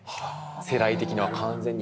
世代的には完全に。